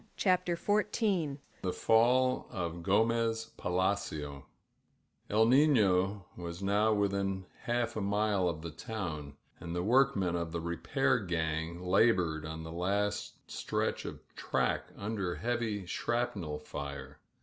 CHAPTER XIV THE FALL OF GOMEZ PALACIO EL NINO*' was now within half a mile of the town, and the workmen of the repair gang la bored on the last stretch of track under heavy shrapnel fire.